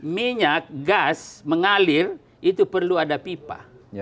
minyak gas mengalir itu perlu ada pipa